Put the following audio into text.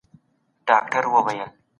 حقوقپوهان کله د پناه غوښتونکو حقونه پیژني؟